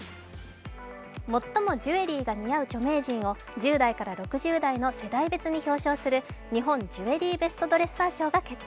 最もジュエリーが似合う著名人を１０代から６０代の世代別に受賞する日本ジュエリーベストドレッサー賞が決定。